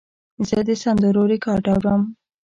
زه د سندرو ریکارډ اورم.